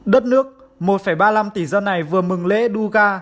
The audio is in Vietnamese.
đất nước một ba mươi năm tỷ dân này vừa mừng lễ duga